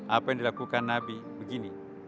apa yang dilakukan nabi begini